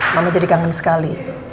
mama jadi kangen sekali